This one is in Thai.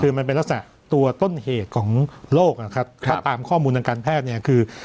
คือมันเป็นลักษณะตัวต้นเหตุของโรคนะครับถ้าตามข้อมูลทางการแพทย์เนี่ยคือ